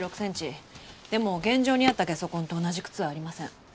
でも現場にあったゲソ痕と同じ靴はありません。